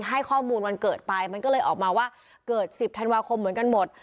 ให้ข้อมูลวันเกิดไปมันก็เลยออกมาว่าเกิด๑๐ธันวาคมเหมือนกันหมด